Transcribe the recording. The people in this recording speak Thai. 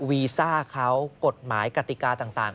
วีซ่าเขากฎหมายกติกาต่าง